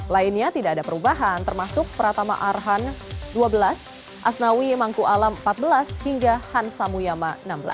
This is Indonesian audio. lainnya tidak ada perubahan termasuk pratama arhan dua belas asnawi mangku alam empat belas hingga hans samuyama enam belas